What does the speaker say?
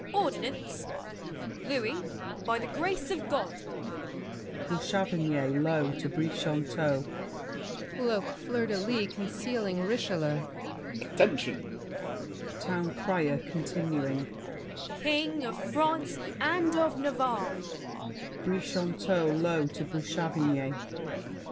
"Ordinance: Louis, by the Grace of God—" BOUCHAVANNES (low to Brichanteau). Cloak fleur de lis concealing Richelieu! L'ANGELY. Attention! TOWN CRIER (continuing). "King of France and of Navarre—" BRICHANTEAU (low to Bouchavannes).